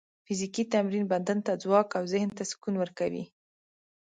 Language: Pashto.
فزیکي تمرین بدن ته ځواک او ذهن ته سکون ورکوي.